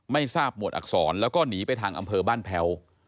ไม่ทราบหมวดอักษรแล้วก็หนีไปทางอำเภอบ้านแพ้ว